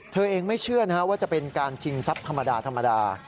เธอเองไม่เชื่อว่าจะเป็นการชิงทรัพย์ธรรมดาธรรมดา